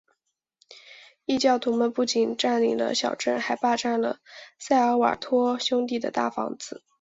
异教徒们不仅占领了小镇还霸占了塞尔瓦托兄弟的大房子。